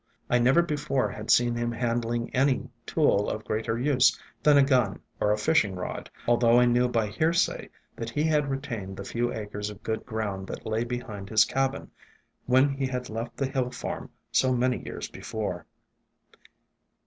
I never before had seen him handling any tool of greater use than a gun or a fishing rod, although I knew by hearsay that he had retained the few acres of good ground that lay behind his cabin, when he had left the hill farm so many years before.